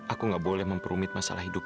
aku gak boleh memperumit masalah hidup